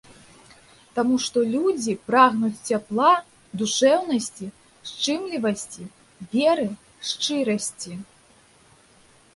Таму што людзі прагнуць цяпла, душэўнасці, шчымлівасці, веры, шчырасці.